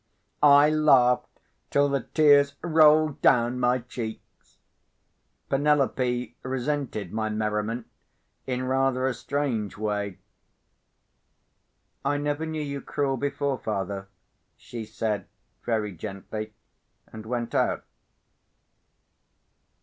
I laughed till the tears rolled down my cheeks. Penelope resented my merriment, in rather a strange way. "I never knew you cruel before, father," she said, very gently, and went out.